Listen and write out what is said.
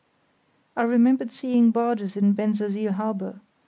I remembered seeing barges in Bensersiel harbour.